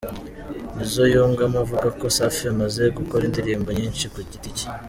Nizo yungamo avuga ko Safi amaze gukora indirimbo nyinshi ku giti cye.